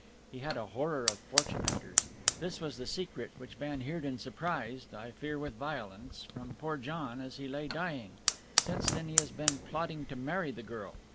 He had a horror of fortune hunters. This was the secret which van Heerden surprised I fear with violence from poor John as he lay dying. Since then he has been plotting to marry the girl.